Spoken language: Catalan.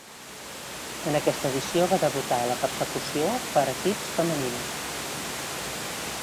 En aquesta edició va debutar la Persecució per equips femenina.